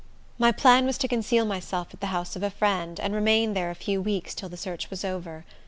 My plan was to conceal myself at the house of a friend, and remain there a few weeks till the search was over.